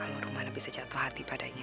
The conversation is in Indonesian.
wajar aja kalau rumahnya bisa jatuh hati padanya